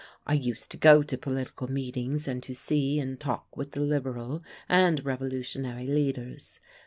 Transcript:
I used to go to political meetings, and to see and talk with the Liberal and revolutionary leaders.